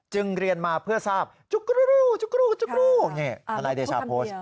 จึงเรียนมาเพื่อทราบจุกรูรูจุกรูรูจุกรูรูนี่ทนายเดชาโพสต์